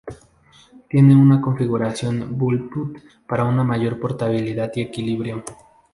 Tiene una configuración bullpup para una mayor portabilidad y equilibrio.